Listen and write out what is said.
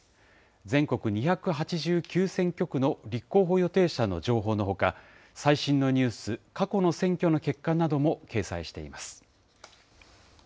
全国２８９選挙区の立候補予定者の情報のほか、最新のニュース、過去の選挙の結果なども掲載しています。